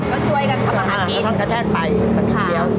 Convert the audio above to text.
ก็ช่วยกันทำร้านกินข้าวต้มกระแทนไปกันเดียว